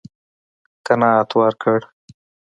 قناعت ورکړ.